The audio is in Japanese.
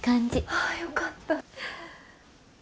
ああよかった。